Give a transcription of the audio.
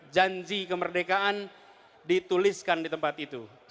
janji kemerdekaan dituliskan di tempat itu